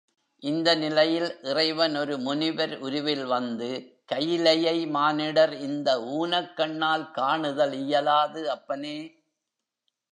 இந்த நிலையில் இறைவன் ஒரு முனிவர் உருவில் வந்து, கயிலையை மானிடர் இந்த ஊனக்கண்ணால் காணுதல் இயலாது அப்பனே!